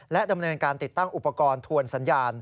ดำเนินการติดตั้งอุปกรณ์ทวนสัญญาณ